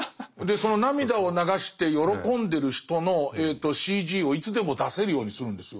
その涙を流して喜んでる人のＣＧをいつでも出せるようにするんですよ。